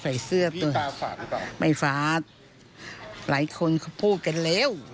ได้นำเรื่องราวมาแชร์ในโลกโซเชียลจึงเกิดเป็นประเด็นอีกครั้ง